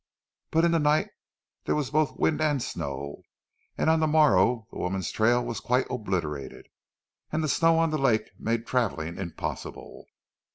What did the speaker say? But in the night there was both wind and snow and on the morrow the woman's trail was quite obliterated and the snow on the lake made travelling impossible.